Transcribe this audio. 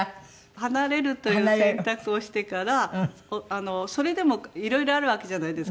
離れるという選択をしてからそれでもいろいろあるわけじゃないですか。